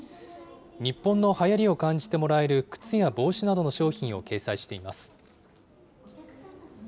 日本のはやりを感じてもらえる靴や帽子などの商品を掲載しています。